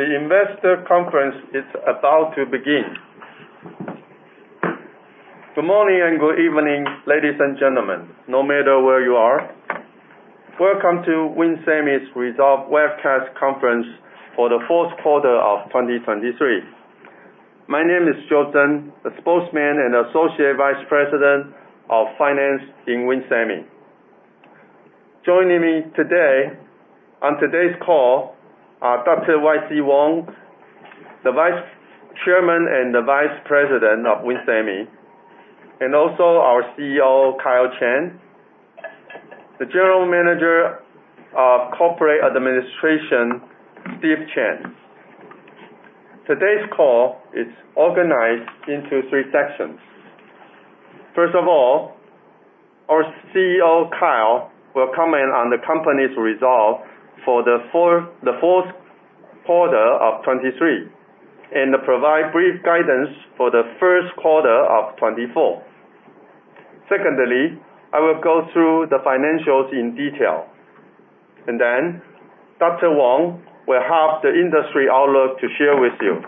The investor conference is about to begin. Good morning and good evening, ladies and gentlemen, no matter where you are. Welcome to Winsemi's Result Webcast Conference for the fourth quarter of 2023. My name is Joe Tsen, the spokesman and Associate Vice President of Finance in Winsemi. Joining me today, on today's call, are Dr. Y.C. Wang, the Vice Chairman and the Vice President of Winsemi, and also our CEO, Kyle Chen, the General Manager of Corporate Administration, Steve Chen. Today's call is organized into three sections. First of all, our CEO, Kyle, will comment on the company's results for the fourth quarter of 2023, and provide brief guidance for the first quarter of 2024. Secondly, I will go through the financials in detail, and then Dr. Wang will have the industry outlook to share with you.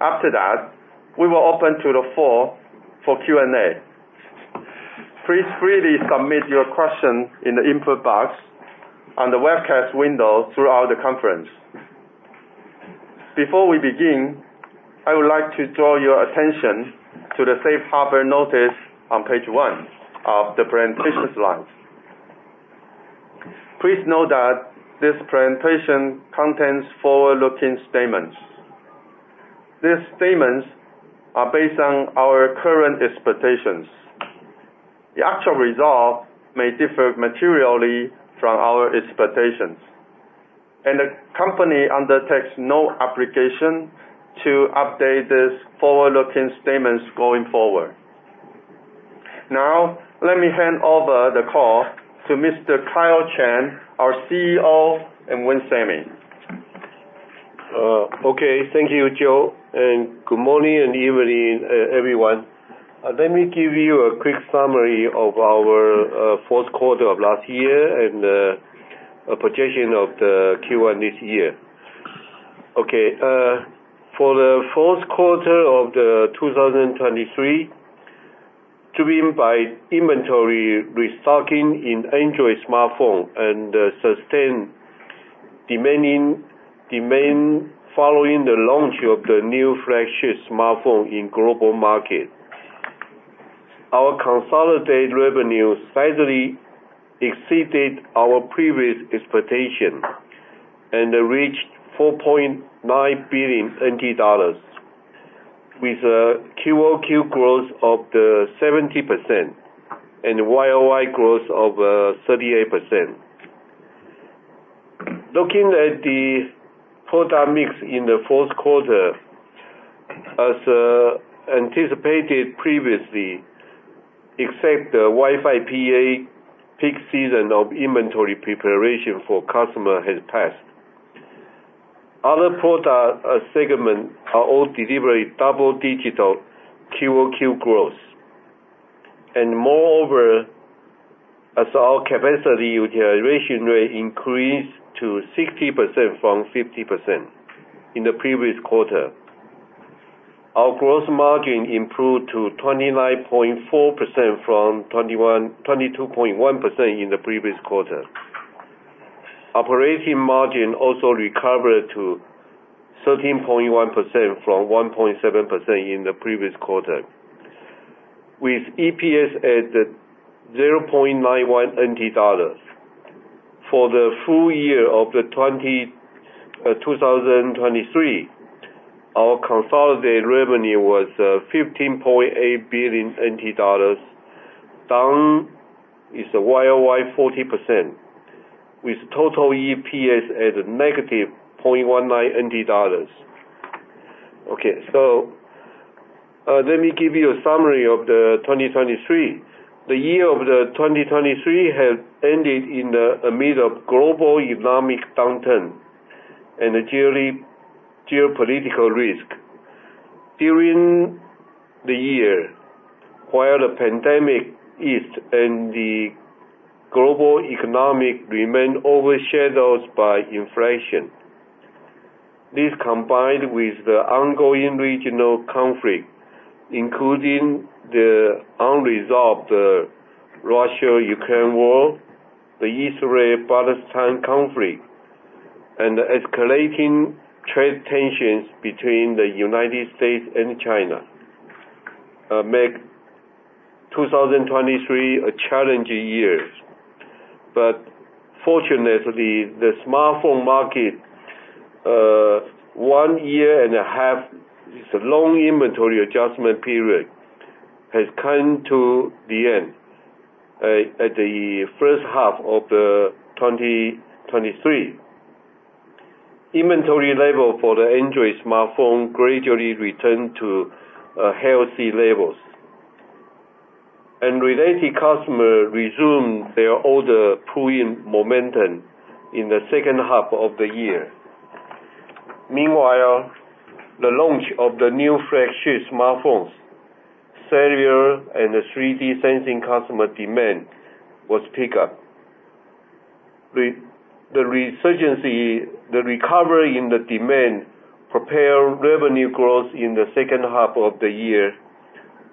After that, we will open to the floor for Q&A. Please freely submit your questions in the input box on the webcast window throughout the conference. Before we begin, I would like to draw your attention to the safe harbor notice on page one of the presentation slides. Please note that this presentation contains forward-looking statements. These statements are based on our current expectations. The actual results may differ materially from our expectations, and the company undertakes no obligation to update these forward-looking statements going forward. Now, let me hand over the call to Mr. Kyle Chen, our CEO in Winsemi. Okay. Thank you, Joe, and good morning and evening, everyone. Let me give you a quick summary of our fourth quarter of last year and a projection of the Q1 this year. Okay, for the fourth quarter of 2023, driven by inventory restocking in Android smartphone and sustained [demanding demand] following the launch of the new flagship smartphone in global market. Our consolidated revenue slightly exceeded our previous expectation and reached 4.9 billion NT dollars, with a QOQ growth of 70% and a YOY growth of 38%. Looking at the product mix in the fourth quarter, as anticipated previously, except the Wi-Fi PA peak season of inventory preparation for customer has passed. Other product segment are all delivering double-digit QOQ growth. And moreover, as our capacity utilization rate increased to 60% from 50% in the previous quarter, our gross margin improved to 29.4% from 22.1% in the previous quarter. Operating margin also recovered to 13.1% from 1.7% in the previous quarter, with EPS at 0.91 NT dollars. For the full year of 2023, our consolidated revenue was 15.8 billion NT dollars, down 40% YOY, with total EPS at -0.19 NT dollars. Okay, so, let me give you a summary of 2023. The year of 2023 has ended in a mid of global economic downturn and a geopolitical risk. During the year, while the pandemic eased and the global economy remained overshadowed by inflation, this, combined with the ongoing regional conflict, including the unresolved Russia-Ukraine war, the Israel-Palestine conflict, and the escalating trade tensions between the United States and China, make 2023 a challenging year. But fortunately, the smartphone market, one year and a half, its long inventory adjustment period, has come to the end. At the first half of 2023, inventory level for the Android smartphone gradually returned to healthy levels, and related customer resumed their order pull-in momentum in the second half of the year. Meanwhile, the launch of the new flagship smartphones cellular and the 3D sensing customer demand was pick up. The resurgence, the recovery in the demand propelled revenue growth in the second half of the year,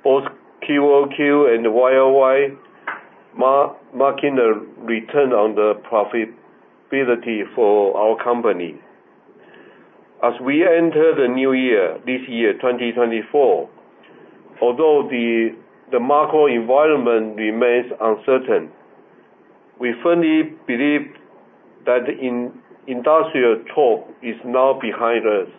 both QOQ and YOY, marking a return to profitability for our company. As we enter the new year, this year, 2024, although the macro environment remains uncertain, we firmly believe that industrial trough is now behind us.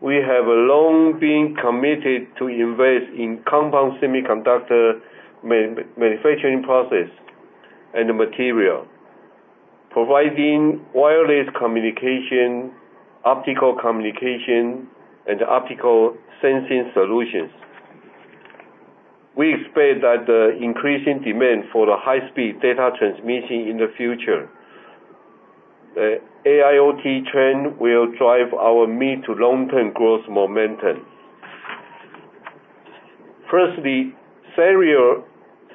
We have long been committed to invest in compound semiconductor manufacturing process and material, providing wireless communication, optical communication, and optical sensing solutions. We expect that the increasing demand for the high speed data transmission in the future, AIoT trend will drive our mid to long term growth momentum. Firstly, cellular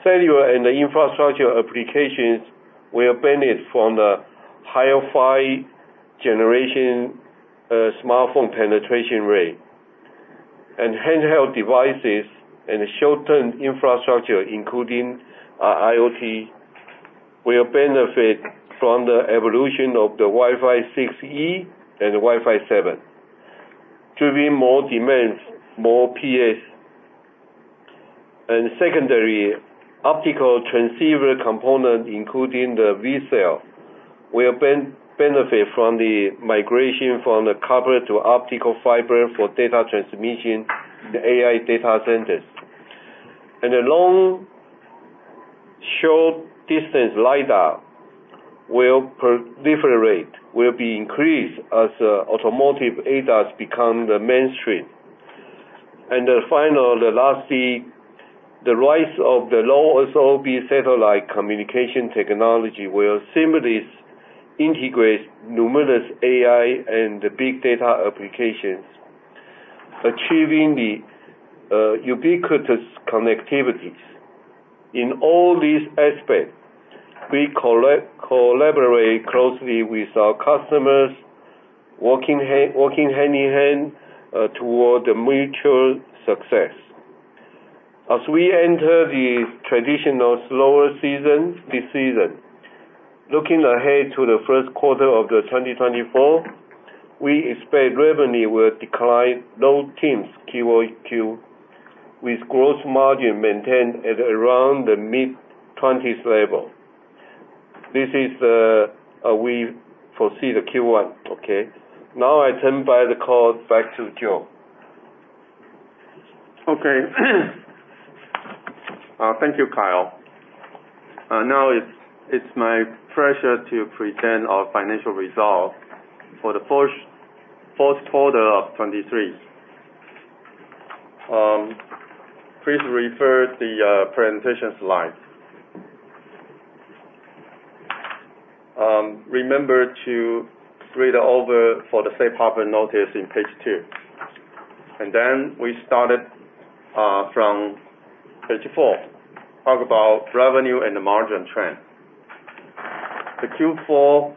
and infrastructure applications will benefit from the higher 5G smartphone penetration rate. Handheld devices and short-term infrastructure, including IoT, will benefit from the evolution of the Wi-Fi 6E and Wi-Fi 7, driving more demands, more PAs. Secondly, optical transceiver components, including the VCSEL, will benefit from the migration from copper to optical fiber for data transmission in the AI data centers. The long- and short-distance LiDAR will proliferate and will be increased as automotive ADAS become the mainstream. Finally, the rise of the low LEO satellite communication technology will seamlessly integrate numerous AI and big data applications, achieving the ubiquitous connectivities. In all these aspects, we collaborate closely with our customers, working hand in hand toward the mutual success. As we enter the traditional slower season, this season, looking ahead to the first quarter of 2024, we expect revenue will decline low teens QOQ, with gross margin maintained at around the mid-twenties level. This is, we foresee the Q1, okay? Now, I turn back the call back to Joe. Okay. Thank you, Kyle. Now, it's my pleasure to present our financial results for the first quarter of 2023. Please refer the presentation slides. Remember to read over for the safe harbor notice in page 2. And then, we started from page 4, talk about revenue and the margin trend. The Q4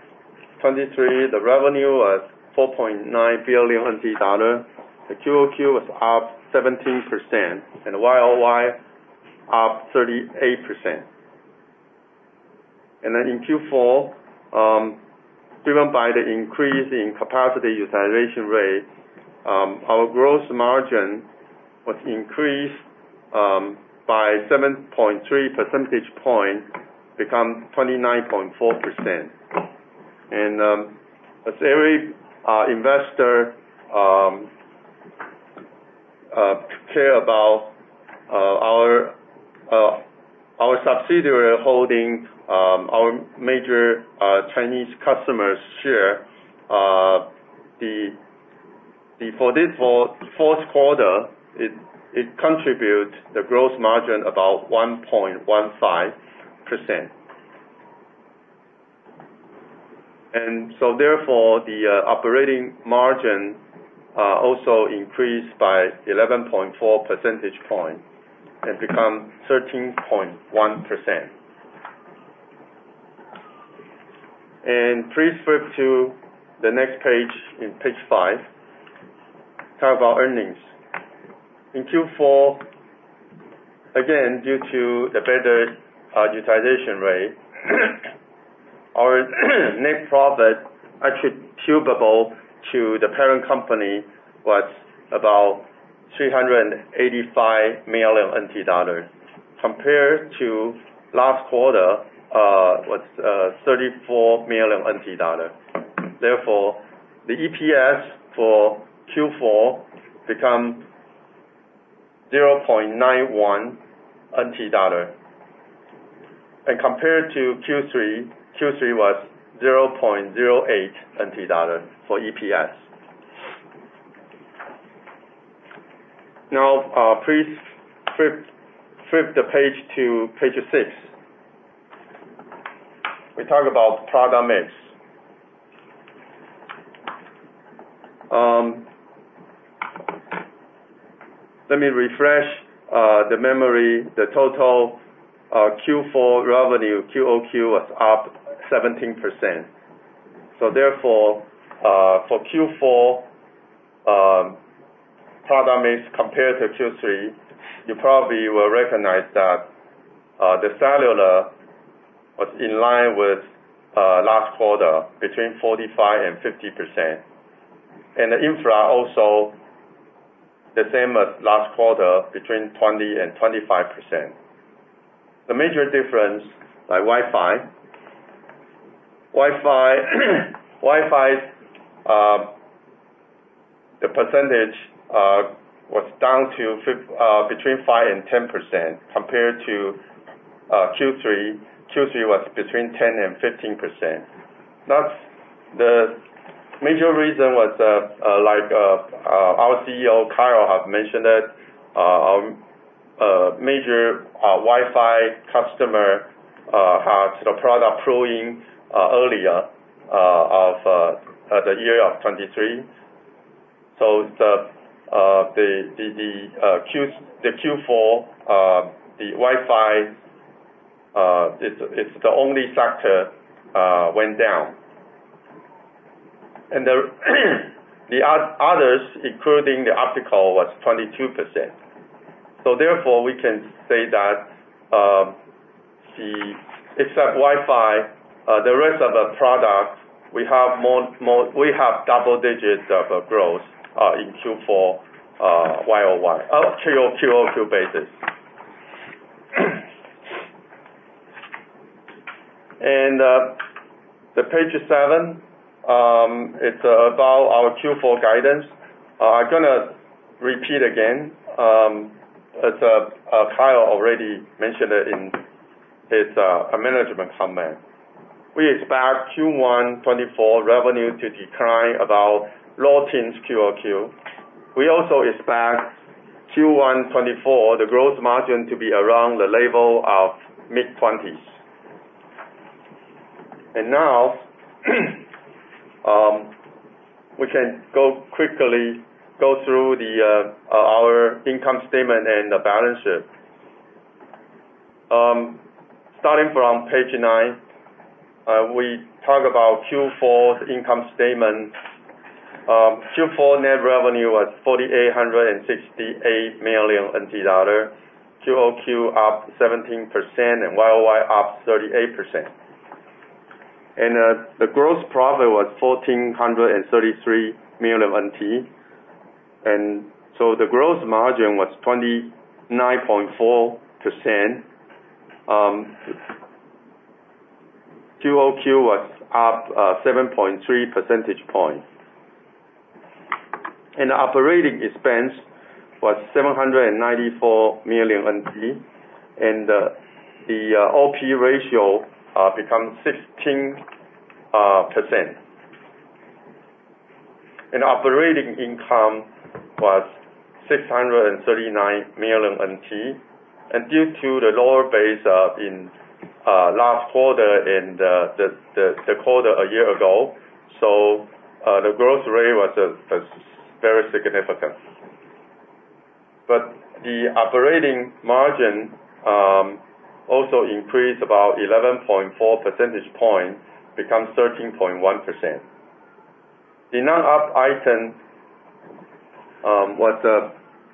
2023, the revenue was 4.9 billion dollars. The QOQ was up 17% and YOY, up 38%. And then in Q4, driven by the increase in capacity utilization rate, our gross margin was increased by 7.3 percentage points, become 29.4%. As every investor care about our subsidiary holding our major Chinese customers share, the for this fourth quarter, it contributes the gross margin about 1.15%. So therefore, the operating margin also increased by 11.4 percentage points, and become 13.1%. Please flip to the next page, in page 5. Talk about earnings. In Q4, again, due to the better utilization rate, our net profit attributable to the parent company was about 385 million NT dollars, compared to last quarter was 34 million NT dollars. Therefore, the EPS for Q4 become 0.91 NT dollar. Compared to Q3, Q3 was 0.08 NT dollar for EPS. Now, please flip the page to page 6. We talk about product mix. Let me refresh the memory. The total Q4 revenue, QOQ, was up 17%. So therefore, for Q4, product mix compared to Q3, you probably will recognize that, the cellular was in line with last quarter, between 45%-50%. And the infra, also the same as last quarter, between 20%-25%. The major difference by Wi-Fi. Wi-Fi's percentage was down to between 5%-10% compared to Q3. Q3 was between 10%-15%. That's the major reason, like, our CEO, Kyle, have mentioned it, our major Wi-Fi customer had the product pulling earlier of the year of 2023. So the Q4 Wi-Fi, it's the only factor went down. And the others, including the optical, was 22%. So therefore, we can say that, except Wi-Fi, the rest of the product, we have double digits of growth in Q4 YOY QoQ basis. And the Page 7, it's about our Q4 guidance. I'm gonna repeat again, as Kyle already mentioned it in his management comment. We expect Q1 2024 revenue to decline about low teens QoQ. We also expect Q1 2024, the gross margin, to be around the level of mid-twenties. And now, we can quickly go through our income statement and the balance sheet. Starting from page 9, we talk about Q4's income statement. Q4 net revenue was 4,868 million NT dollars. QOQ, up 17% and YOY, up 38%. The gross profit was 1,433 million NT, and so the gross margin was 29.4%. QOQ was up 7.3 percentage point. Operating expense was 794 million NT, and the OP ratio become 16%. Operating income was 639 million NT, and due to the lower base in last quarter and the quarter a year ago, so the growth rate was very significant. But the operating margin also increased about 11.4 percentage point, becomes 13.1%. The non-op item was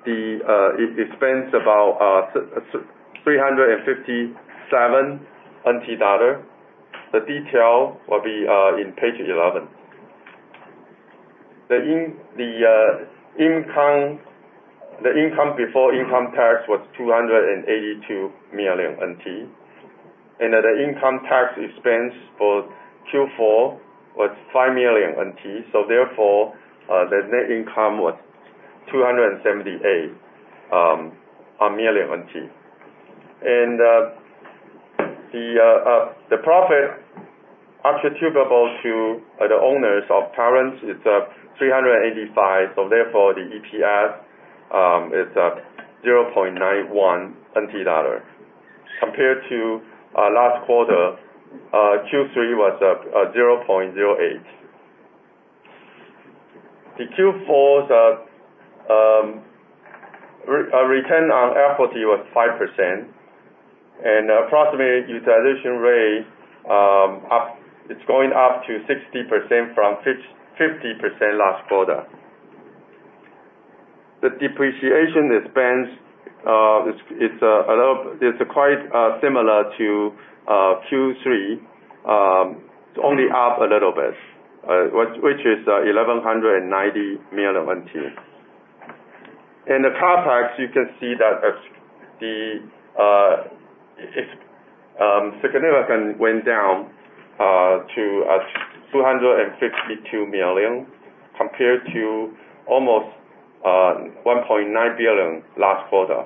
the expense, about 357. The detail will be in page 11. The income before income tax was 282 million NT. And the income tax expense for Q4 was 5 million NT, so therefore, the net income was 278 million NT. And the profit attributable to the owners of parents is 385, so therefore, the EPS is 0.91 NT dollar. Compared to last quarter, Q3 was 0.08. The Q4's return on equity was 5%, and approximate utilization rate up, it's going up to 60% from 50% last quarter. The depreciation expense, it's a little, it's quite similar to Q3, only up a little bit, which is 1,190 million NT. In the CapEx, you can see that it significant went down to 252 million, compared to almost 1.9 billion last quarter.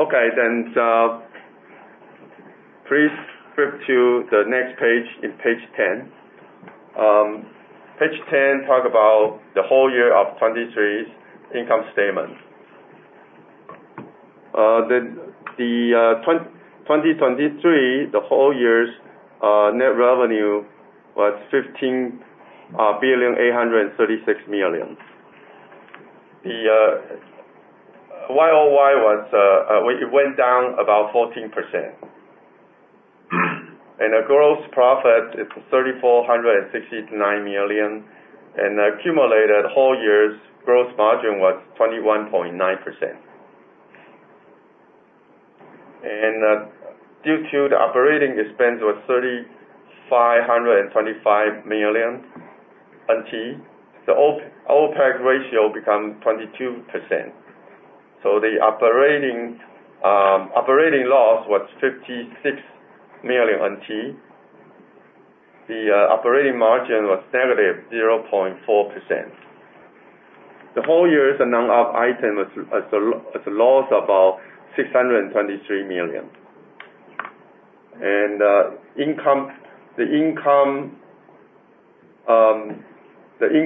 Okay, then, so please flip to the next page, in page 10. Page 10 talk about the whole year of 2023's income statement. The 2023, the whole year's net revenue was TWD 15,836 million. The YOY was it went down about 14%. And a gross profit is 3,469 million, and accumulated whole year's gross margin was 21.9%. Due to the operating expense was 3,525 million NT, the overall profit ratio become 22%. So the operating loss was 56 million NT. The operating margin was -0.4%. The whole year's amount of item was a loss of about 623 million. And the income tax... There is an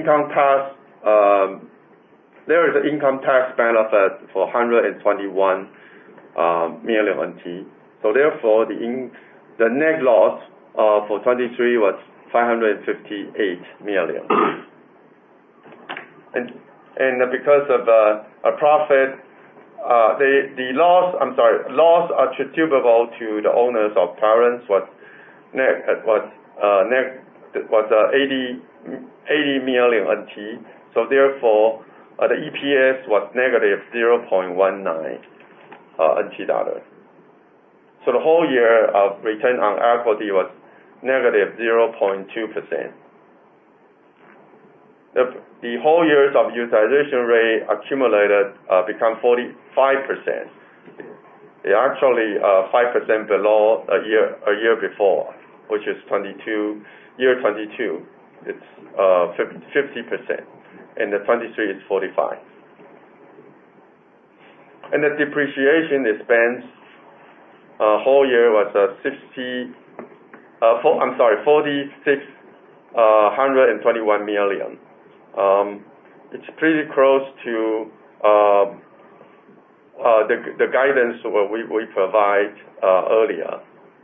income tax benefit for 121 million NT. So therefore, the net loss for 2023 was 558 million. And because of a profit, the loss, I'm sorry, loss attributable to the owners of parent was 80 million NT. So therefore, the EPS was -0.19 NT dollar. The whole year of return on equity was -0.2%. The whole year's utilization rate accumulated become 45%. They are actually five percent below a year before, which is 2022. Year 2022, it's fifty percent, and 2023 is 45%. And the depreciation expense whole year was sixty four... I'm sorry, 4,621 million. It's pretty close to the guidance what we provide earlier,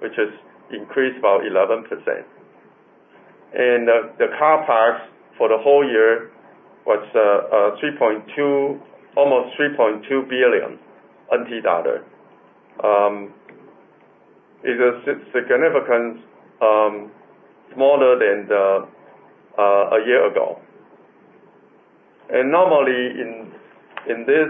which is increased about 11%. And the capex for the whole year was 3.2, almost 3.2 billion TWD. It is significant smaller than a year ago. Normally, in this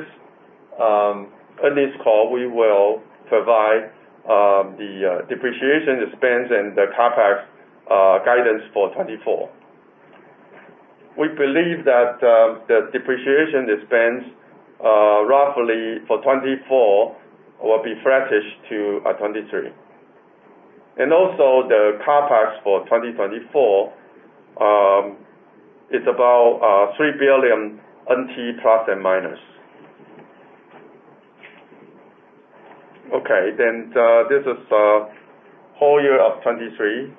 earnings call, we will provide the depreciation expense and the capex guidance for 2024. We believe that the depreciation expense roughly for 2024 will be flattish to 2023. And also, the capex for 2024 is about TWD 3 billion ±. Okay, and this is whole year of 2023,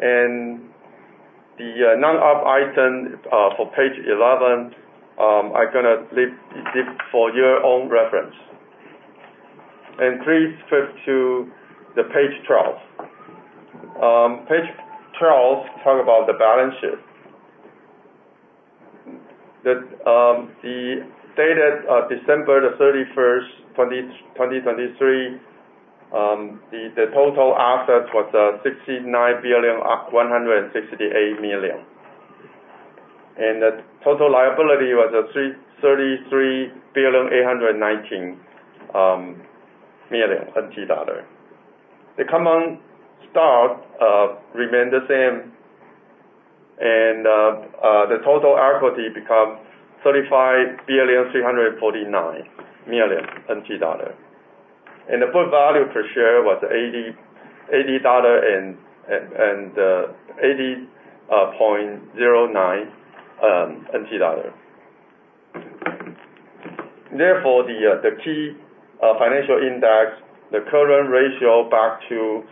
and the non-GAAP item for page 11, I'm gonna leave for your own reference. And please flip to page 12. Page 12 talk about the balance sheet. The dated December 31, 2023, the total assets was 69.168 billion. And the total liability was 33.819 billion. The common stock remain the same, and the total equity become 35 billion 349 million. The book value per share was TWD 80.09. Therefore, the key financial index, the current ratio back to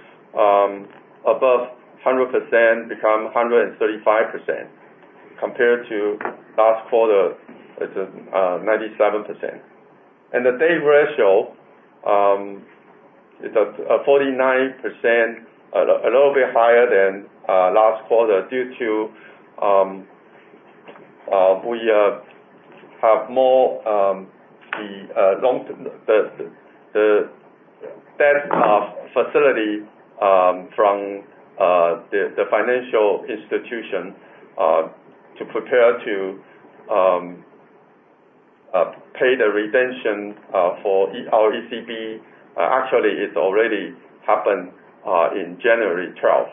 above 100%, become 135%, compared to last quarter, it is 97%. The debt ratio is at 49%, a little bit higher than last quarter, due to we have more long-term debt facility from the financial institution to prepare to pay the redemption for our ECB. Actually, it's already happened in January twelfth.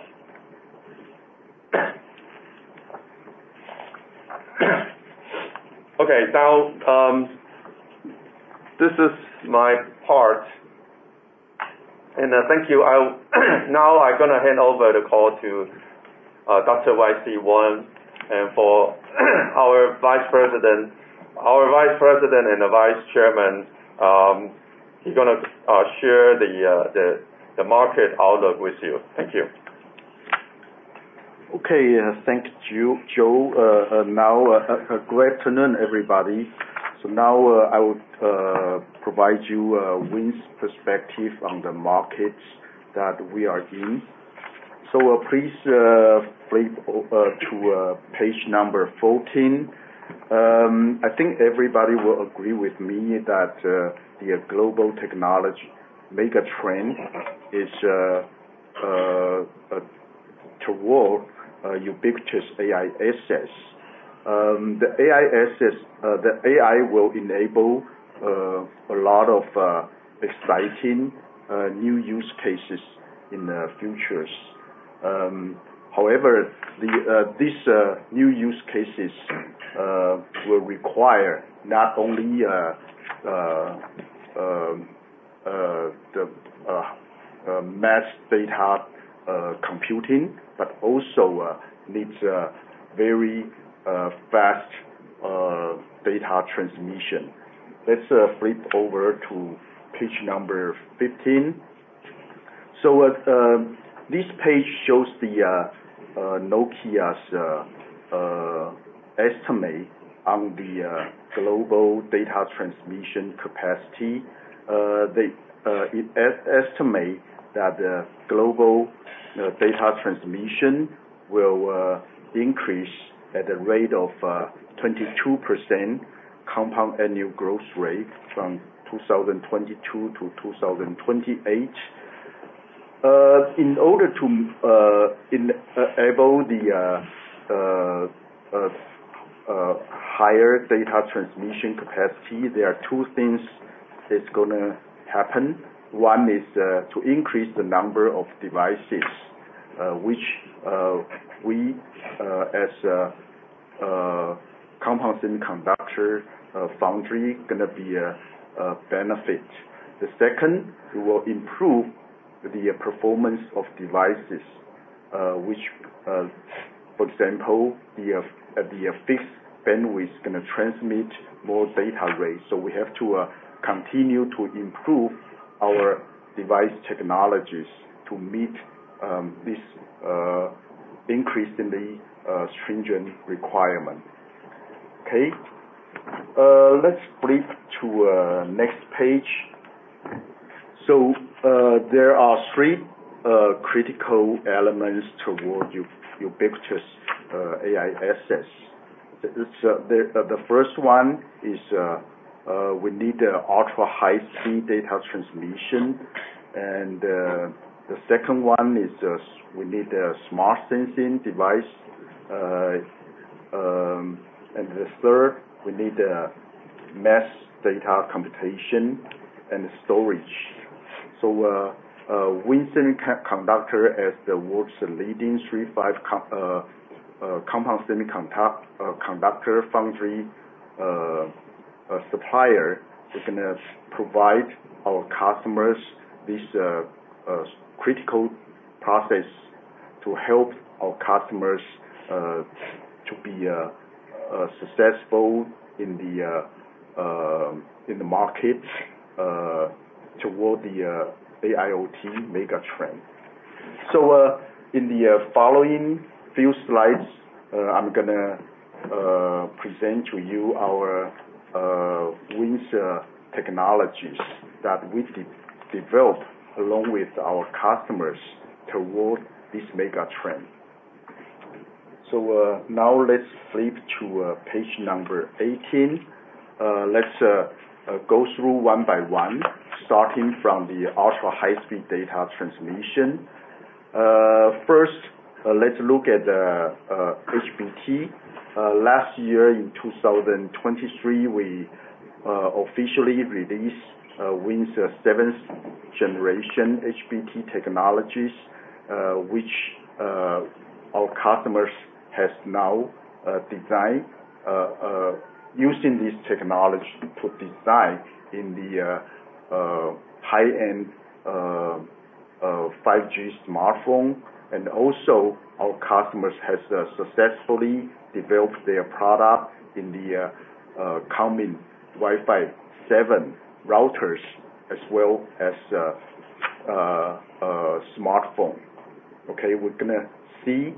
Okay, now, this is my part, and thank you. Now I'm gonna hand over the call to Dr. Y.C. Wang, and for our Vice President. Our Vice President and Vice Chairman, he's gonna share the market outlook with you. Thank you.... Okay, thank you, Joe. Now, good afternoon, everybody. So now, I will provide you, WIN's perspective on the markets that we are in. So, please flip to page number 14. I think everybody will agree with me that the global technology mega trend is toward ubiquitous AI access. The AI access, the AI will enable a lot of exciting new use cases in the futures. However, these new use cases will require not only the mass data computing, but also needs a very fast data transmission. Let's flip over to page number 15. So, this page shows Nokia's estimate on the global data transmission capacity. They estimate that the global data transmission will increase at the rate of 22% compound annual growth rate from 2022 to 2028. In order to enable the higher data transmission capacity, there are two things that's gonna happen. One is to increase the number of devices, which we as a compound semiconductor foundry gonna be a benefit. The second, we will improve the performance of devices, which for example, the fixed bandwidth is gonna transmit more data rate. So we have to continue to improve our device technologies to meet this increasingly stringent requirement. Okay. Let's flip to next page. So there are three critical elements toward ubiquitous AI access. It's the first one is we need a ultra-high-speed data transmission, and the second one is we need a smart sensing device. And the third, we need a mass data computation and storage. So, WIN Semiconductor, as the world's leading 3-5 compound semiconductor foundry supplier, is gonna provide our customers this critical process to help our customers to be successful in the market toward the AIoT mega trend. So, in the following few slides, I'm gonna present to you our WIN's technologies that we developed along with our customers toward this mega trend. So, now let's flip to page number 18. Let's go through one by one, starting from the ultra-high-speed data transmission. First, let's look at the HBT. Last year, in 2023, we officially released WIN's seventh generation HBT technologies, which our customers has now designed using this technology to design in the high-end 5G smartphone. And also, our customers has successfully developed their product in the coming Wi-Fi 7 routers, as well as smartphone. Okay, we're gonna see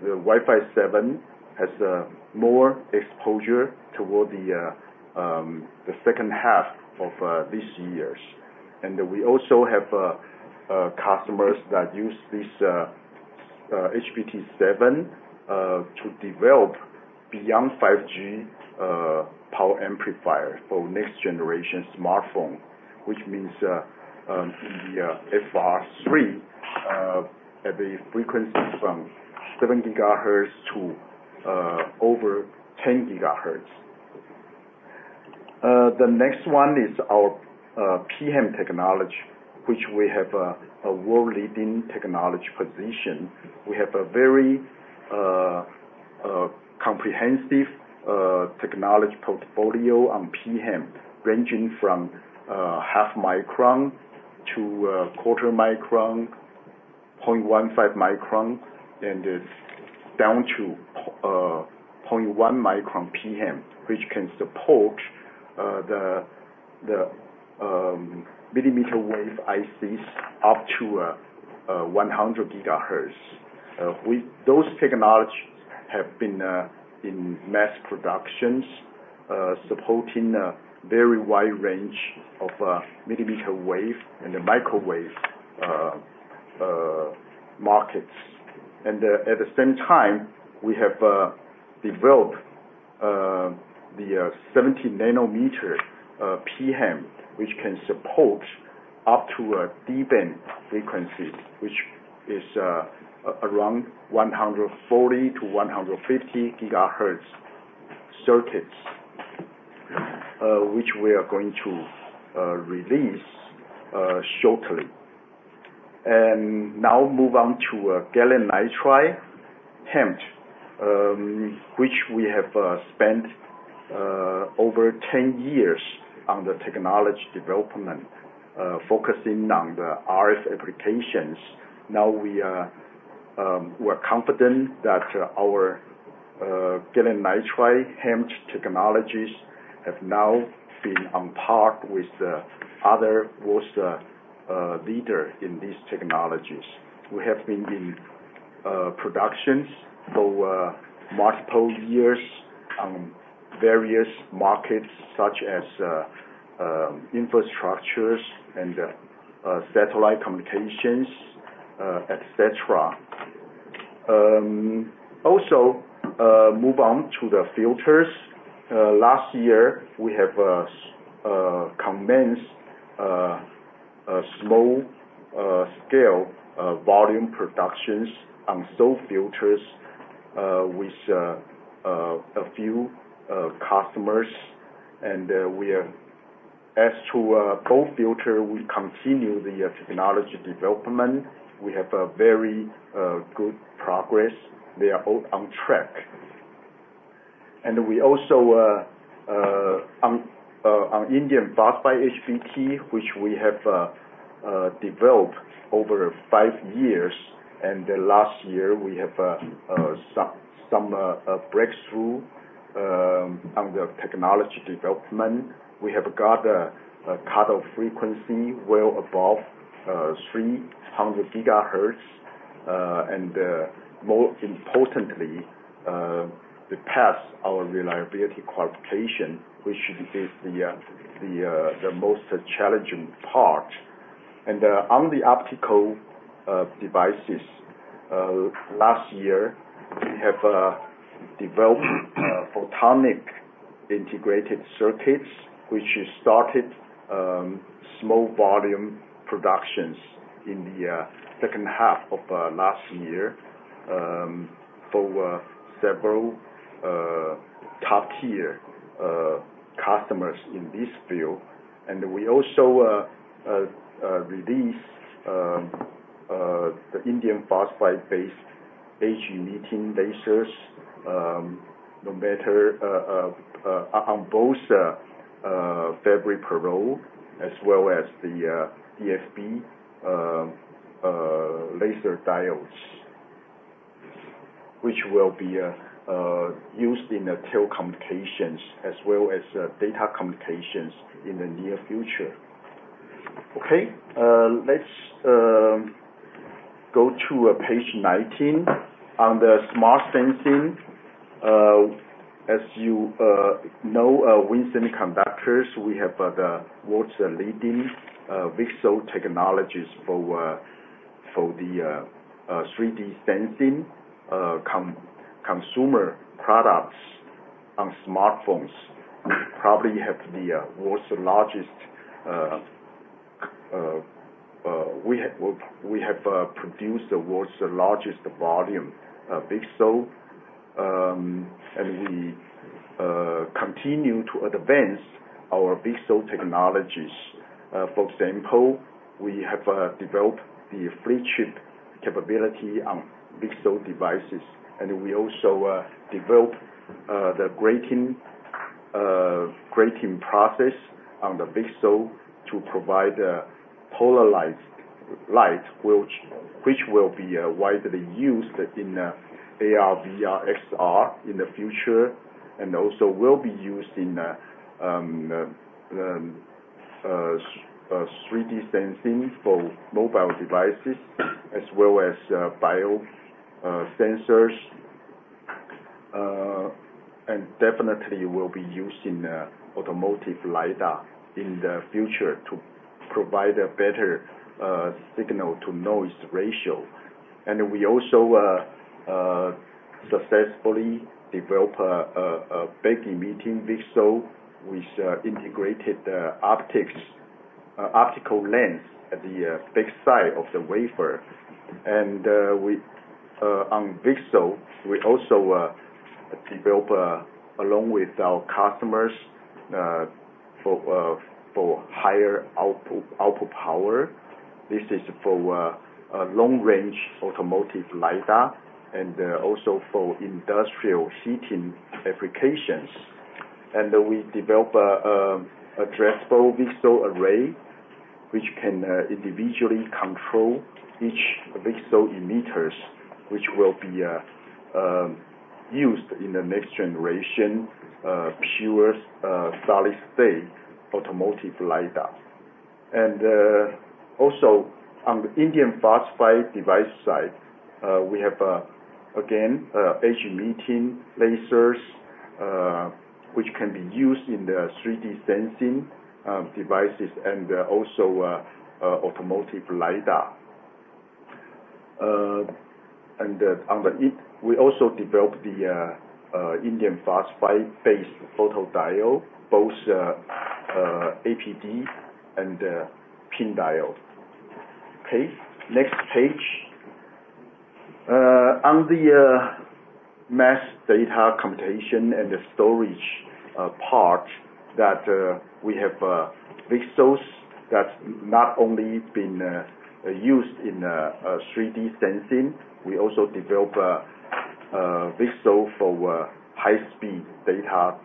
the Wi-Fi 7 has more exposure toward the second half of this years. We also have customers that use this HBT7 to develop beyond 5G power amplifier for next generation smartphone, which means in the FR3 at the frequencies from 7 gigahertz to over 10 gigahertz. The next one is our pHEMT technology, which we have a world-leading technology position. We have a very comprehensive technology portfolio on pHEMT, ranging from half micron to quarter micron, 0.15 micron, and down to 0.1 micron pHEMT, which can support the millimeter wave ICs up to 100 gigahertz. Those technologies have been in mass production, supporting a very wide range of millimeter wave and the microwave markets. At the same time, we have developed the 70 nanometer pHEMT, which can support up to a D-band frequency, which is around 140-150 gigahertz circuits, which we are going to release shortly. Now move on to gallium nitride HEMT, which we have spent over 10 years on the technology development, focusing on the RF applications. Now we are, we're confident that our gallium nitride HEMT technologies have now been on par with the other world's leader in these technologies. We have been in productions for multiple years on various markets, such as infrastructures and satellite communications, et cetera. Also, move on to the filters. Last year, we have commenced a small scale volume productions on SAW filters with a few customers, and we are. As to SAW filter, we continue the technology development. We have a very good progress. We are on track. And we also on indium phosphide HBT, which we have developed over five years, and last year we have a breakthrough on the technology development. We have got a cutoff frequency well above 300 GHz, and more importantly, we passed our reliability qualification, which is the most challenging part. On the optical devices, last year, we have developed photonic integrated circuits, which started small volume productions in the second half of last year, for several top-tier customers in this field. And we also released the indium phosphide-based edge-emitting lasers, no matter on both Fabry-Pérot, as well as the DFB laser diodes, which will be used in the telecommunications as well as data communications in the near future. Okay, let's go to page 19. On the smart sensing, as you know, Win Semiconductors, we have the world's leading VCSEL technologies for the 3D sensing consumer products on smartphones. We probably have produced the world's largest volume of VCSEL, and we continue to advance our VCSEL technologies. For example, we have developed the flip chip capability on VCSEL devices, and we also developed the grating process on the VCSEL to provide a polarized light, which will be widely used in AR, VR, XR in the future, and also will be used in 3D sensing for mobile devices, as well as bio sensors. And definitely will be used in automotive LiDAR in the future to provide a better signal-to-noise ratio. We also successfully developed a back emitting VCSEL, which integrated the optics optical lens at the back side of the wafer. On VCSEL, we also developed along with our customers for higher output power. This is for a long-range automotive LiDAR, and also for industrial heating applications and then we develop addressable VCSEL array, which can individually control each VCSEL emitters, which will be used in the next generation pure solid state automotive LiDAR. Also on the indium phosphide device side, we have again edge-emitting lasers, which can be used in the 3D sensing devices and also automotive LiDAR. And on the InP, we also developed the indium phosphide-based photodiode, both APD and PIN diode. Okay, next page. On the massive data computation and the storage part, that we have VCSELs that not only been used in 3D sensing, we also develop a VCSEL for high speed data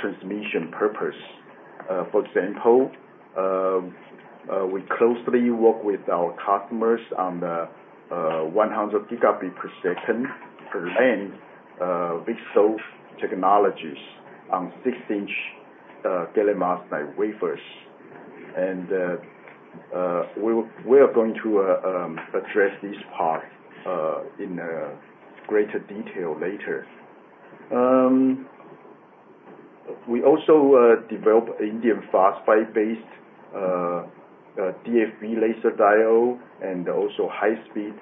transmission purpose. For example, we closely work with our customers on the 100 gigabit per second per lane VCSEL technologies on 6-inch gallium arsenide wafers. And we will—we are going to address this part in greater detail later. We also develop indium phosphide-based DFB laser diode and also high speed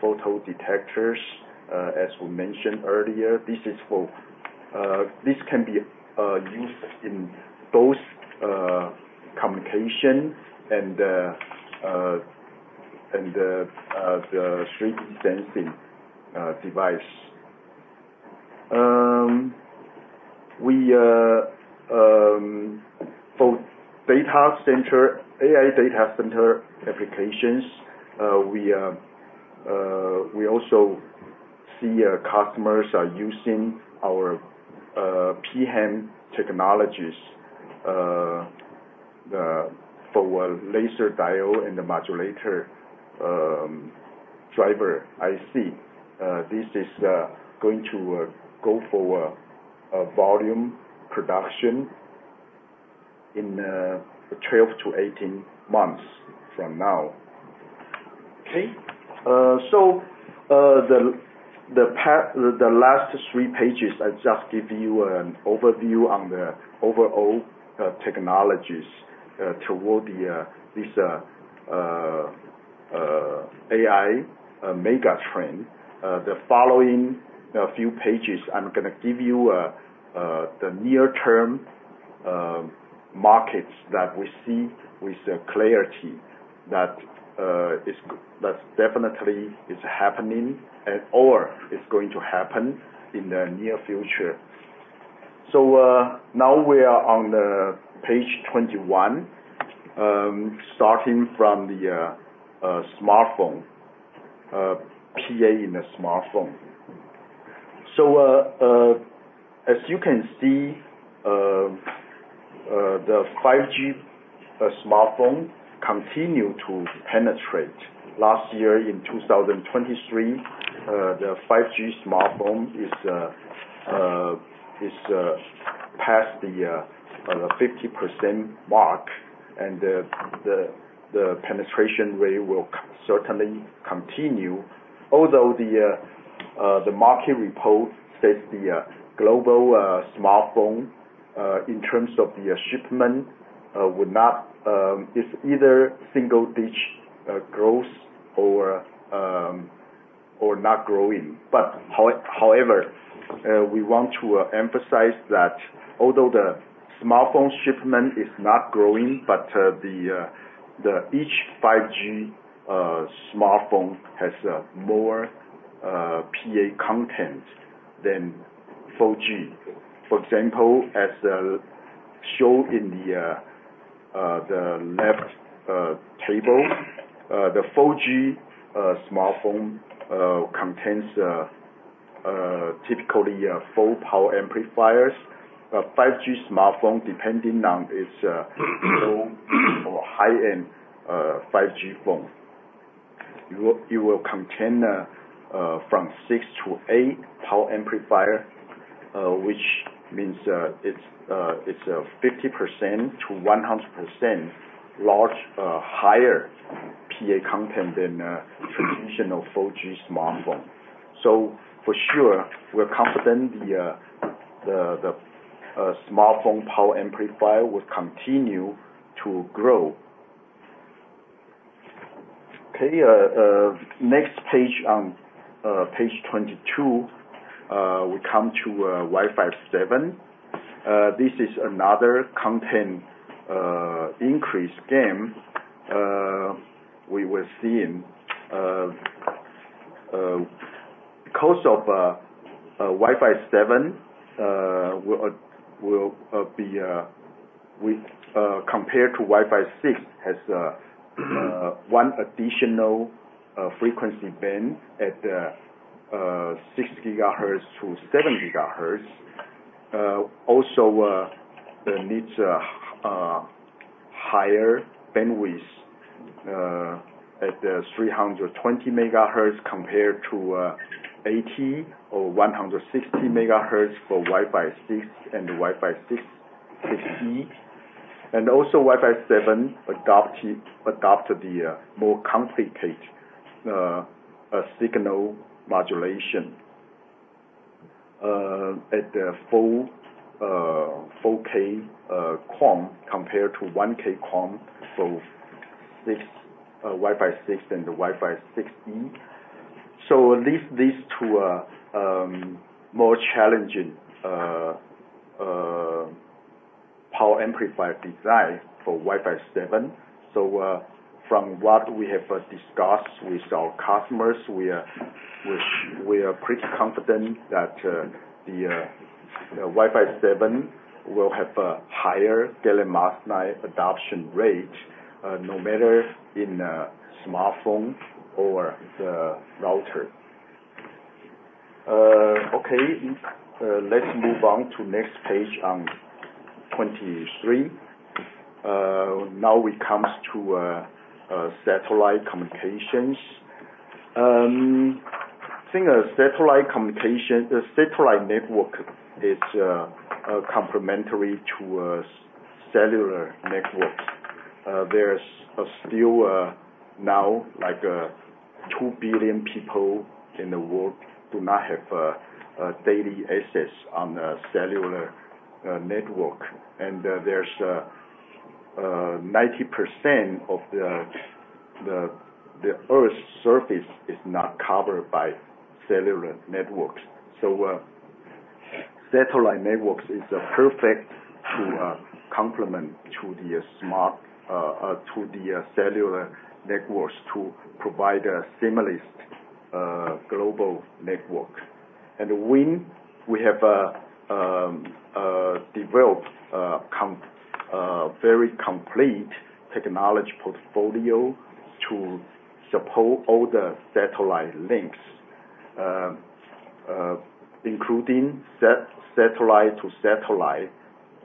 photo detectors, as we mentioned earlier. This is for this can be used in both communication and the 3D sensing device. For data center AI data center applications, we also see our customers are using our pHEMT technologies for laser diode and the modulator driver IC. This is going to go for a volume production in 12-18 months from now. Okay. So, the last three pages, I just give you an overview on the overall technologies toward this AI mega trend. The following, a few pages, I'm gonna give you, the near-term, markets that we see with the clarity that definitely is happening and or is going to happen in the near future. So, now we are on page 21, starting from the smartphone PA in the smartphone. So, as you can see, the 5G smartphone continue to penetrate. Last year, in 2023, the 5G smartphone is passed the 50% mark, and the penetration rate will certainly continue. Although the market report says the global smartphone, in terms of the shipment, would not... It's either single-digit growth or not growing. However, we want to emphasize that although the smartphone shipment is not growing, but the each 5G smartphone has more PA content than 4G. For example, as shown in the left table, the 4G smartphone contains typically four power amplifiers. A 5G smartphone, depending on its low or high end 5G phone, it will contain from 6-8 power amplifier, which means it's a 50%-100% larger higher PA content than a traditional 4G smartphone. So for sure, we're confident the smartphone power amplifier will continue to grow. Okay. Next page on, page 22, we come to Wi-Fi 7. This is another content increase game we were seeing. Cost of Wi-Fi 7 will be we compared to Wi-Fi 6 has one additional frequency band at 6-7 GHz. Also, it needs higher bandwidth at 320 MHz compared to 80 or 160 MHz for Wi-Fi 6 and Wi-Fi 6E. And also, Wi-Fi 7 adopted the more complicated signal modulation at 4K QAM compared to 1K QAM for Wi-Fi 6 and the Wi-Fi 6E. These two are more challenging power amplifier design for Wi-Fi 7. So from what we have discussed with our customers, we are pretty confident that the Wi-Fi 7 will have a higher gallium arsenide adoption rate, no matter in a smartphone or the router. Okay, let's move on to next page, on 23. Now it comes to satellite communications. I think a satellite communication, a satellite network is complementary to a cellular network. There's still now, like, 2 billion people in the world do not have a daily access on a cellular network. And there's 90% of the Earth's surface is not covered by cellular networks. So, satellite networks is a perfect complement to the smart cellular networks to provide a seamless global network. And WIN, we have developed a very complete technology portfolio to support all the satellite links. Including satellite to satellite,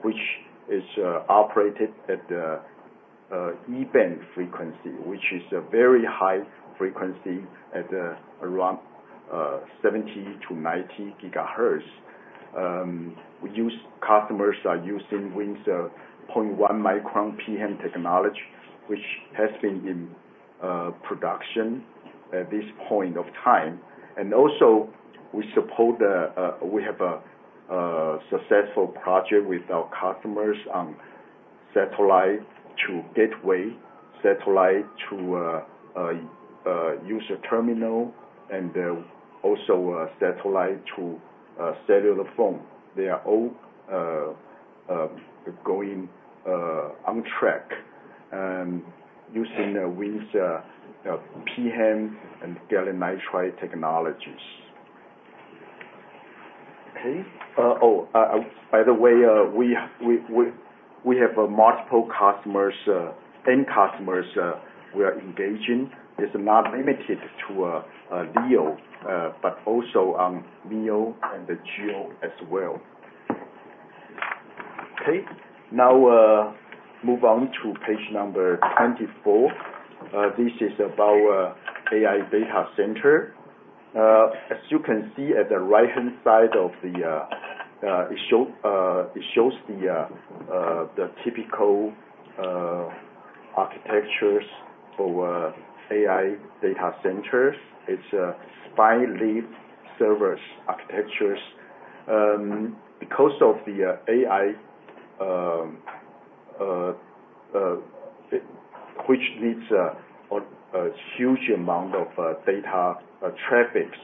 which is operated at the E-band frequency, which is a very high frequency at around 70-90 GHz. Customers are using WIN's 0.1 micron pHEMT technology, which has been in production at this point of time. And also, we have a successful project with our customers on satellite to gateway, satellite to user terminal, and also a satellite to a cellular phone. They are all going on track using the WIN's pHEMT and gallium nitride technologies. Okay. Oh, by the way, we have multiple customers, end customers, we are engaging. It's not limited to a LEO, but also on LEO and the GEO as well. Okay. Now, move on to page number 24. This is about AI data center. As you can see at the right-hand side of the, it shows the typical architectures for AI data centers. It's a spine-leaf server architectures. Because of the AI, which needs a huge amount of data traffics,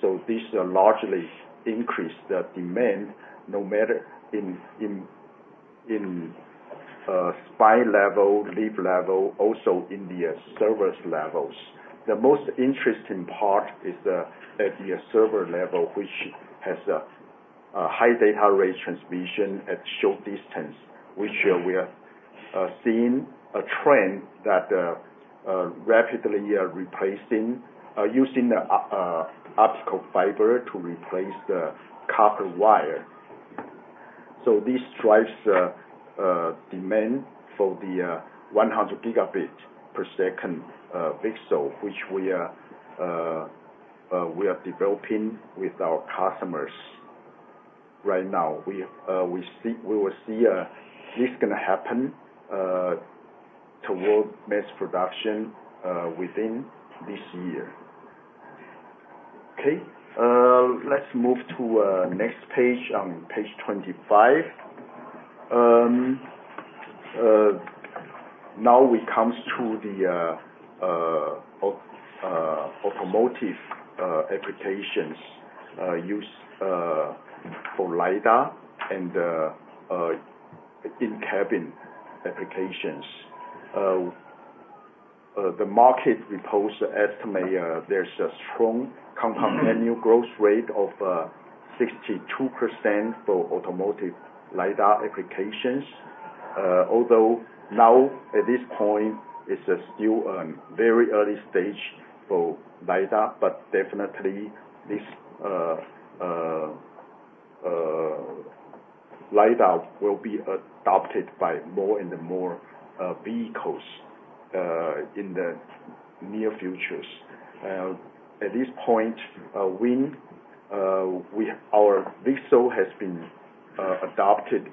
so this largely increase the demand, no matter in spine-level, leaf-level, also in the servers levels. The most interesting part is at the server level, which has a high data rate transmission at short distance, which we are seeing a trend that rapidly are replacing using the optical fiber to replace the copper wire. So this drives the demand for the 100 Gbps VCSEL, which we are developing with our customers right now. We will see this is going to happen toward mass production within this year. Okay, let's move to next page, on page 25. Now it comes to the automotive applications used for LiDAR and in-cabin applications. The market reports estimate there's a strong compound annual growth rate of 62% for automotive LiDAR applications. Although now, at this point, it's still very early stage for LiDAR, but definitely this LiDAR will be adopted by more and more vehicles in the near futures. At this point, WIN, we, our VCSEL has been adopted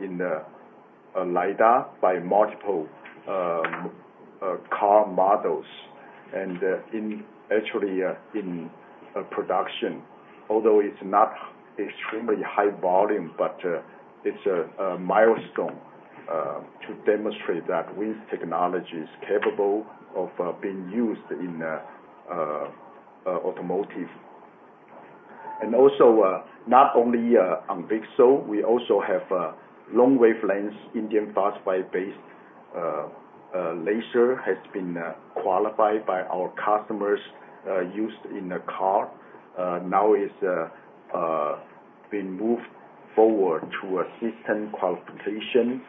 in the LiDAR by multiple car models and in actually in production, although it's not extremely high volume, but it's a milestone to demonstrate that with technologies capable of being used in automotive. And also, not only on VCSEL, we also have long wavelengths, Indium Phosphide-based laser has been qualified by our customers, used in the car. Now it's been moved forward to a system qualification.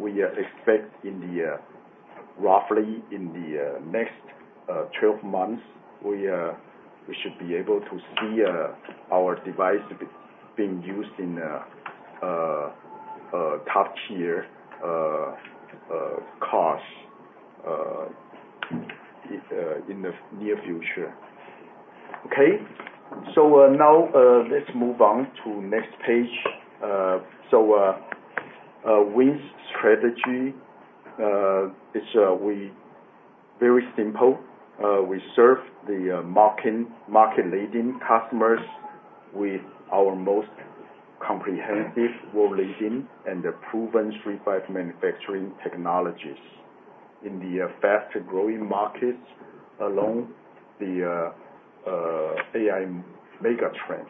We expect in roughly the next 12 months, we should be able to see our device being used in top-tier cars in the near future. Okay. So, now, let's move on to next page. So, WIN's strategy is very simple. We serve the market-leading customers with our most comprehensive, world-leading, and the proven III-V manufacturing technologies in the fast-growing markets along the AI mega trend.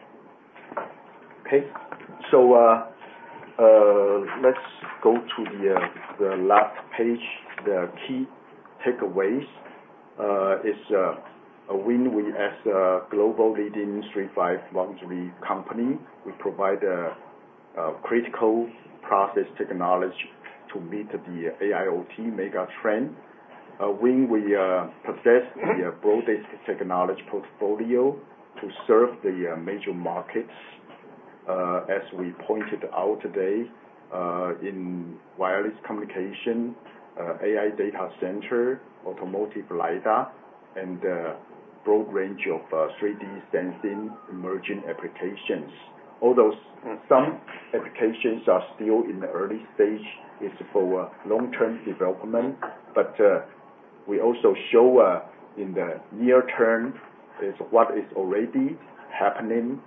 Okay, so let's go to the last page. The key takeaways is WIN, we as a global leading III-V foundry company, we provide critical process technology to meet the AIoT mega trend. WIN, we possess the broadest technology portfolio to serve the major markets, as we pointed out today, in wireless communication, AI data center, automotive LiDAR, and broad range of 3D sensing emerging applications. Although some applications are still in the early stage, it's for long-term development, but we also show in the near term is what is already happening.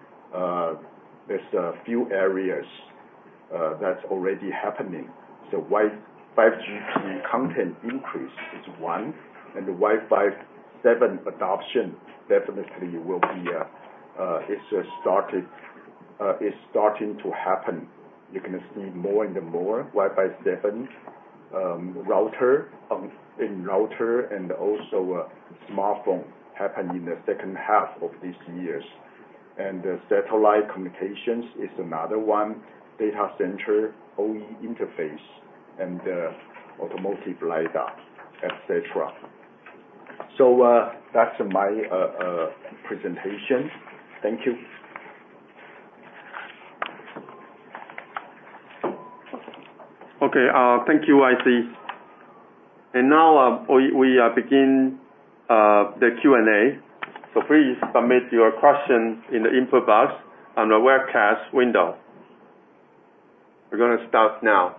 There's a few areas that's already happening. So 5G content increase is one, and the Wi-Fi 7 adoption definitely will be is starting to happen. You're gonna see more and more Wi-Fi 7, router, in router and also a smartphone, happen in the second half of this years. And the satellite communications is another one, data center, OE interface, and, automotive LiDAR, et cetera. So, that's my presentation. Thank you. Okay, thank you, Y.C. And now, we begin the Q&A. So please submit your questions in the info box on the webcast window. We're gonna start now.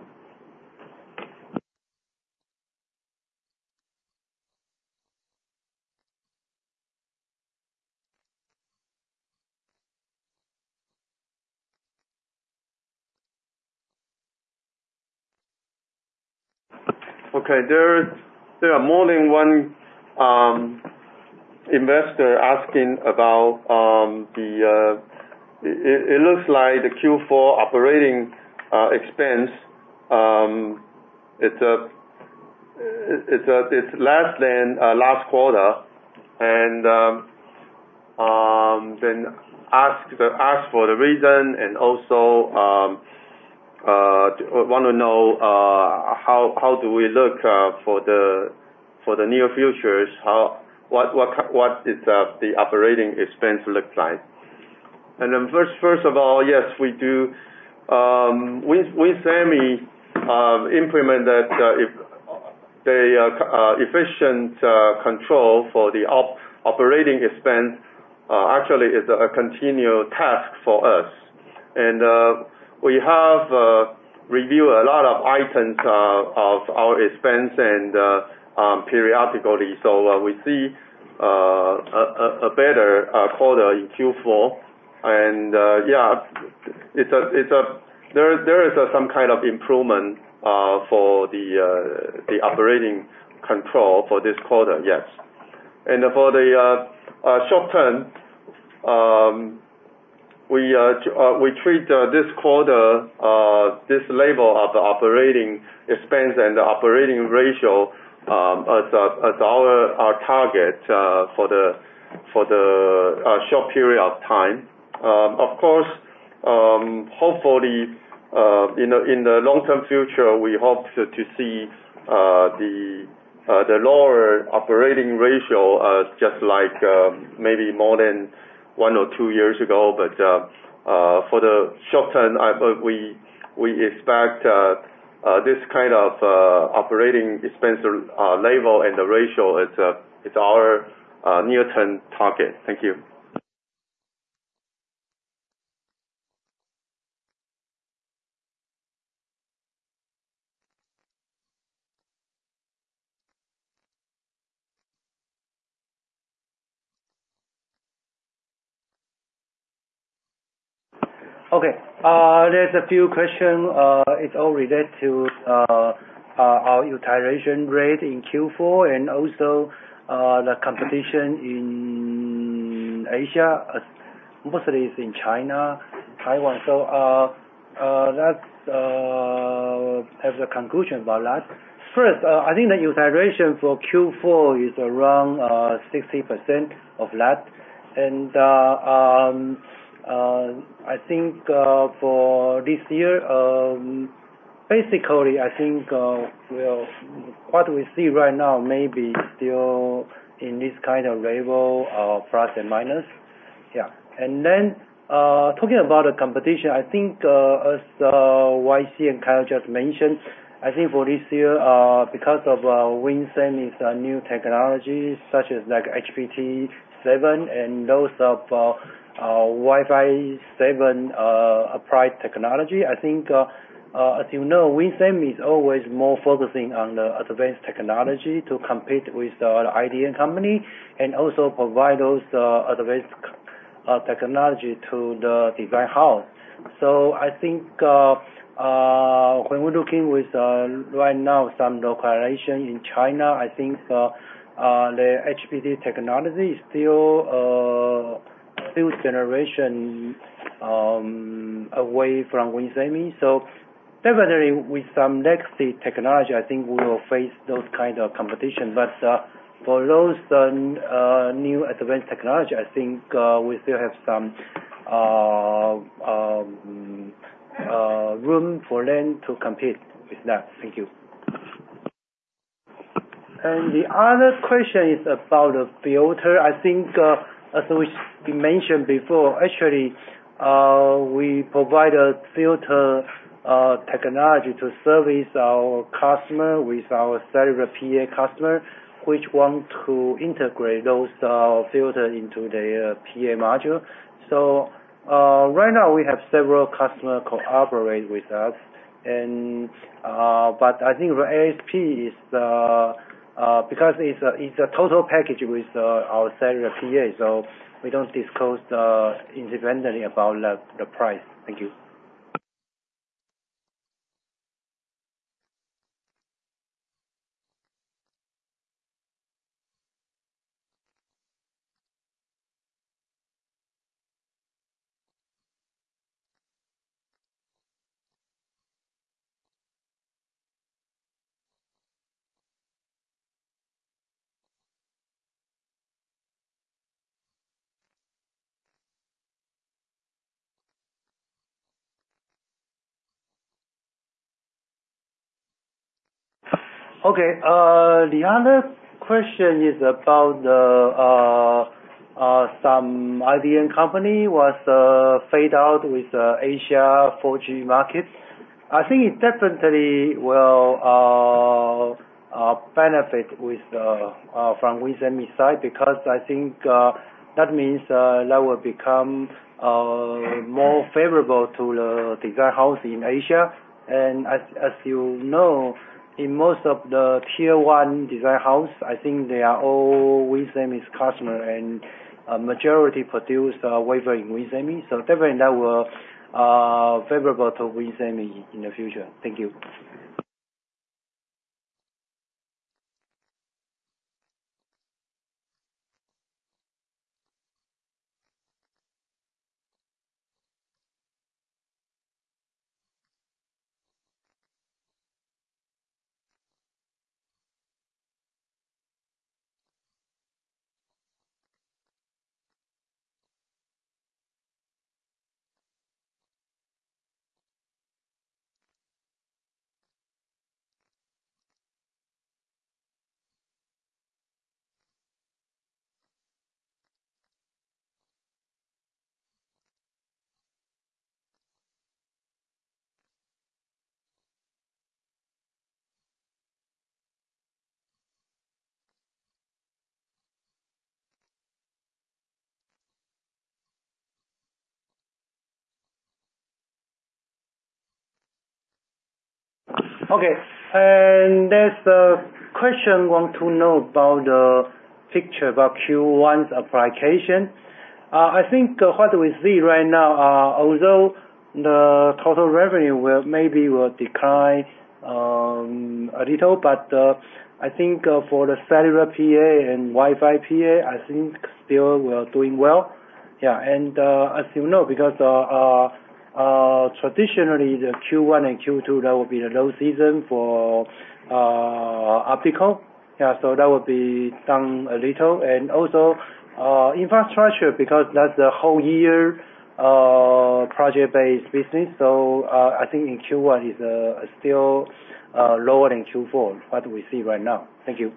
Okay, there are more than one investor asking about the Q4 operating expense. It's less than last quarter, and then ask for the reason, and also wanna know how do we look for the near futures, how what is the operating expense look like? And then first of all, yes, we do. We WIN semi implement that if the efficient control for the operating expense actually is a continued task for us. We have reviewed a lot of items of our expense and periodically. So, we see a better quarter in Q4, and yeah, it's there, there is some kind of improvement for the operating control for this quarter, yes. And for the short term...... we treat, this quarter, this level of the operating expense and the operating ratio, as, as our, our target, for the, for the, short period of time. Of course, hopefully, in the, in the long-term future, we hope to, to see, the, the lower operating ratio, just like, maybe more than one or two years ago. But, for the short term, I, but we, we expect, this kind of, operating expense, level and the ratio is, is our, near-term target. Thank you. Okay, there's a few question, it all relate to, our utilization rate in Q4 and also, the competition in Asia, mostly it's in China, Taiwan. So, let's have the conclusion about that. First, I think the utilization for Q4 is around 60% of that. And, I think, for this year, basically, I think, well, what we see right now may be still in this kind of level of plus and minus. Yeah. And then, talking about the competition, I think, as Y.C. and Kyle just mentioned, I think for this year, because of Winsemi's new technologies, such as like HBT7 and those of Wi-Fi 7, applied technology, I think, as you know, Winsemi is always more focusing on the advanced technology to compete with the IDM company, and also provide those, advanced, technology to the design house. So I think, when we're looking with, right now, some localization in China, I think, the HBT technology is still, still generation, away from Winsemi. So definitely with some next technology, I think we will face those kind of competition. But, for those, new advanced technology, I think, we still have some, room for them to compete with that. Thank you. And the other question is about the filter. I think, as we, we mentioned before, actually, we provide a filter, technology to service our customer with our cellular PA customer, which want to integrate those, filter into their PA module. So, right now, we have several customers cooperate with us, and, but I think for ASP is the, because it's a, it's a total package with, our cellular PA, so we don't disclose the independently about the, the price. Thank you. Okay, the other question is about the, some IDM company was, fade out with the Asia 4G market. I think it definitely will, benefit with the, from Winsemi side, because I think, that means, that will become, more favorable to the design house in Asia. And as you know, in most of the tier one design house, I think they are all Winsemi's customers, and, majority produce, wafer in Winsemi. So definitely that will, favorable to Winsemi in the future. Thank you. Okay, and there's a question want to know about the picture about Q1's application. I think what we see right now, although-... The total revenue will, maybe will decline, a little, but, I think, for the cellular PA and Wi-Fi PA, I think still we're doing well. Yeah, and, as you know, because, traditionally, the Q1 and Q2, that will be the low season for, optical. Yeah, so that would be down a little. And also, infrastructure, because that's the whole year, project-based business. So, I think in Q1 is, still, lower than Q4, what we see right now. Thank you.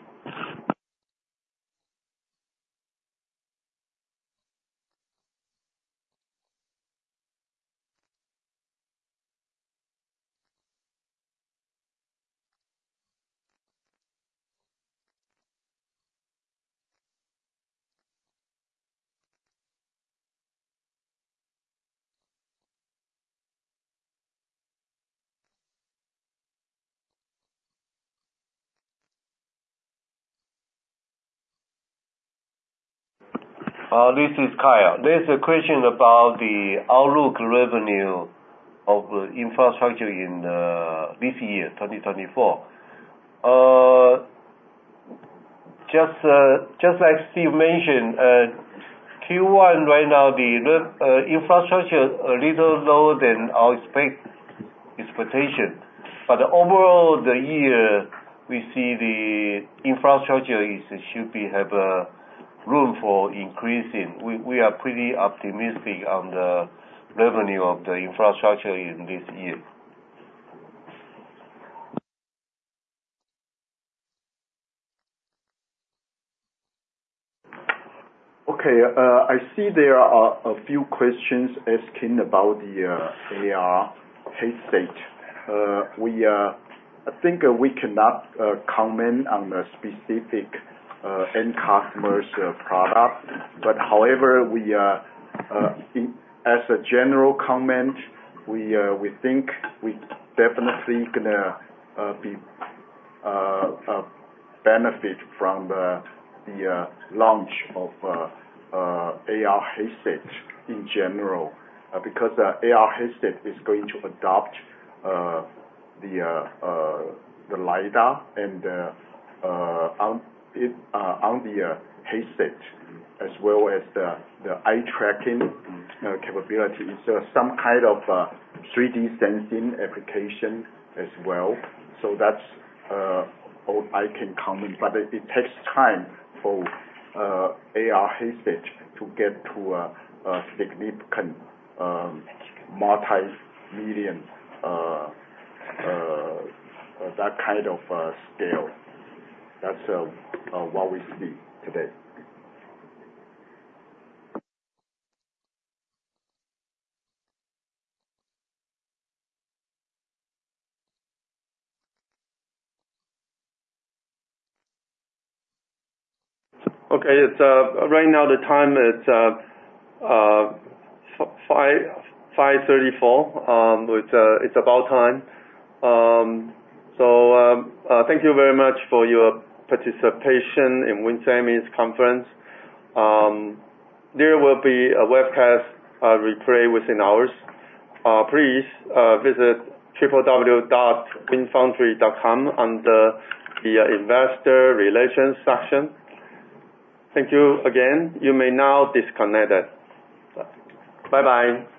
This is Kaya. There's a question about the outlook revenue of infrastructure in this year, 2024. Just, just like Steve mentioned, Q1 right now, the infrastructure a little lower than our expectation. But overall, the year, we see the infrastructure is, should be, have, room for increasing. We are pretty optimistic on the revenue of the infrastructure in this year? Okay, I see there are a few questions asking about the AR headset. I think we cannot comment on the specific end customer's product. But however, as a general comment, we think we definitely gonna be benefit from the launch of AR headset in general. Because AR headset is going to adopt the LiDAR and on it on the headset, as well as the eye tracking capability. So some kind of 3D sensing application as well. So that's all I can comment, but it takes time for AR headset to get to a significant multi-million that kind of scale. That's what we see today. Okay, it's right now, the time is 5:34. It's about time. So thank you very much for your participation in Winsemi's conference. There will be a webcast replay within hours. Please visit www.winfoundry.com under the Investor Relations section. Thank you again. You may now disconnect it. Bye-bye.